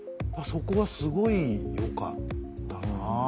そこがすごい良かったなぁ。